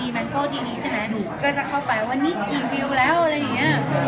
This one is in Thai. มันก็ทีนี้ใช่ไหมก็จะเข้าไปวันนี้กี่วิวแล้วอะไรอย่างนี้